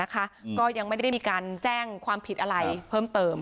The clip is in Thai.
ก็ยังไม่ได้มีการแจ้งความผิดอะไรเพิ่มเติม